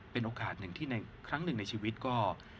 เป็นโอกาสหนึ่งที่ในครั้งหนึ่งในชีวิตก็